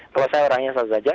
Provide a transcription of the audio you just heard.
kalau saya orangnya saja